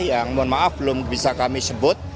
yang mohon maaf belum bisa kami sebut